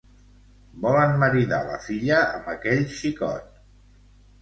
Volen maridar la filla amb aquell xicot.